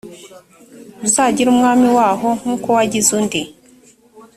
uzagire umwami waho nk’uko wagize undi